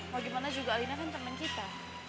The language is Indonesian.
mau gimana juga alina kan temen kita